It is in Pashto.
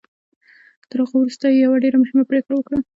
تر هغه وروسته يې يوه ډېره مهمه پريکړه وکړه.